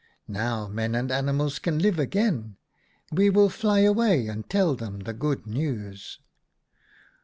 Now men and animals can live again. We will fly away and tell them the good news.'